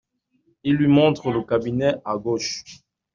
Il lui montre le cabinet à gauche.